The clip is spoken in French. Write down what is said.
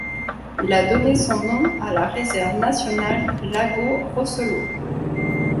Il a donné son nom à la réserve nationale Lago Rosselot.